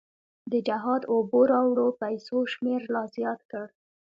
د جهاد اوبو راوړو پیسو شمېر لا زیات کړ.